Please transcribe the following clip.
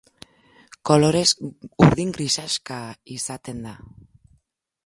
Kolorez urdin grisaxka izaten da.